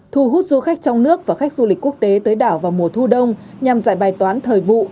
thu hút du khách trong nước và khách du lịch quốc tế tới đảo vào mùa thu đông nhằm giải bài toán thời vụ